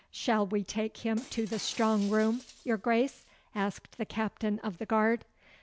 'Shall we take him to the strong room, your Grace?' asked the Captain of the guard.